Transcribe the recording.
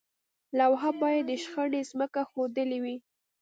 لوحه باید د شخړې ځمکه ښودلې وي.